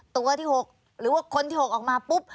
ตัวที่๖หรือว่าคนที่๖ออกมาปุ๊บ